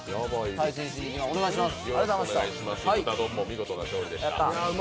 お願いします。